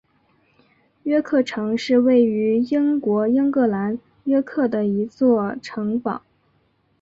约克城是位于英国英格兰约克的一座城堡。